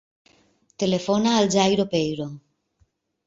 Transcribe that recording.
Telefona al Jairo Peiro.